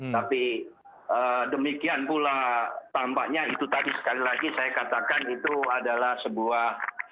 tapi demikian pula tampaknya itu tadi sekali lagi saya katakan itu adalah sebuah